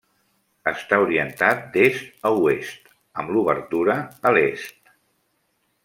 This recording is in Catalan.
Està orientat d'est a oest, amb l'obertura a l'est.